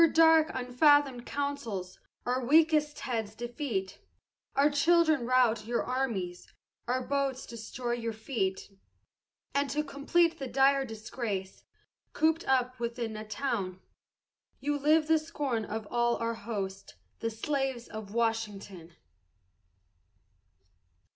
Your dark unfathomed councils our weakest heads defeat, Our children rout your armies, our boats destroy your fleet, And to complete the dire disgrace, cooped up within a town, You live the scorn of all our host, the slaves of Washington!